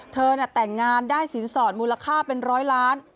เธอน่ะแต่งงานได้สินสอนมูลค่าเป็น๑๐๐ล้าน